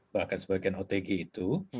bahkan sebagian otg itu